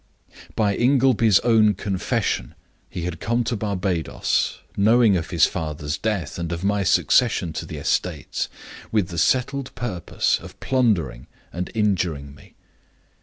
"By Ingleby's own confession, he had come to Barbadoes knowing of his father's death and of my succession to the estates with the settled purpose of plundering and injuring me.